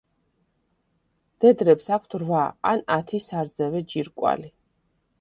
მდედრებს აქვთ რვა ან ათი სარძევე ჯირკვალი.